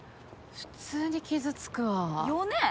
普通に傷つくわ。よね？